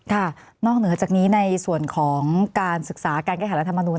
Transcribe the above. ค่ะนอกเหนือจากนี้ในส่วนของการศึกษาการแก้ไขรัฐมนุน